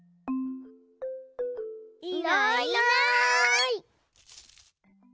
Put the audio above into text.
いないいない。